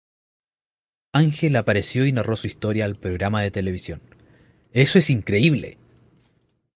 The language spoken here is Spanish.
Angel apareció y narró su historia al programa de televisión, ¡Eso es increíble!.